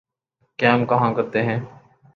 قیام کہاں کرتے ہیں؟